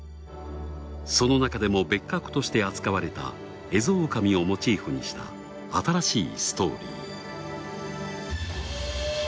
その中でも別格として扱われたエゾオオカミをモチーフにした新しいストーリー。